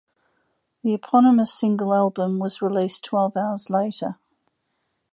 The eponymous single album was released twelve hours later.